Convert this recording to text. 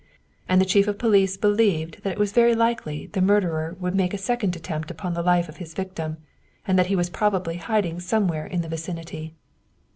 And the chief of police believed that it was very likely the murderer would make a second attempt upon the life of his victim, and that he was probably hiding some where in the vicinity.